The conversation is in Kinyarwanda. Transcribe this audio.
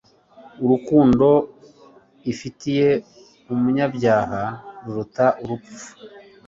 urukundo ifitiye umunyabyaha ruruta urupfu.